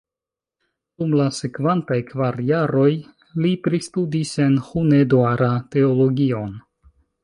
Dum la sekvantaj kvar jaroj li pristudis en Hunedoara teologion.